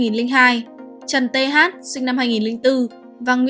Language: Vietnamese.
trần t hát sinh năm hai nghìn bốn